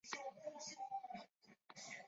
全海笋属为海螂目鸥蛤科下的一个属。